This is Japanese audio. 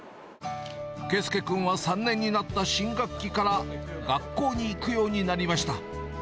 佳祐君は３年になった新学期から学校に行くようになりました。